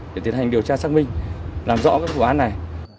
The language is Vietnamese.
để tiến hành điều tra xác minh làm rõ vụ án này